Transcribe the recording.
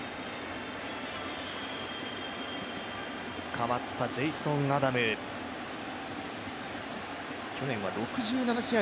代わったジェイソン・アダム去年６７試合